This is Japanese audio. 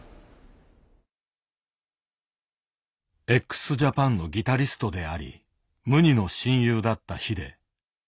ＸＪＡＰＡＮのギタリストであり無二の親友だったＨＩＤＥ。